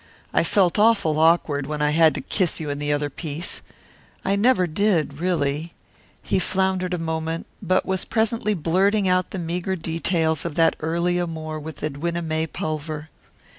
I felt awful awkward when I had to kiss you in the other piece. I never did, really " He floundered a moment, but was presently blurting out the meagre details of that early amour with Edwina May Pulver.